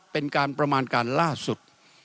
เป็นการประมาณการล่าสุด